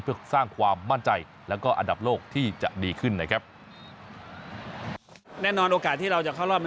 เพื่อสร้างความมั่นใจแล้วก็อันดับโลกที่จะดีขึ้นนะครับ